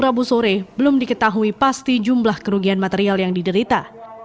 rabu sore belum diketahui pasti jumlah kerugian material yang diderita